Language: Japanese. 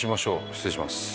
失礼します。